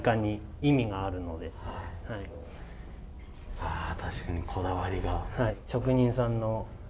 ああ確かにこだわりが。